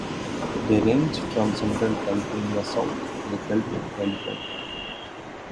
They range from central California south to the Gulf of California.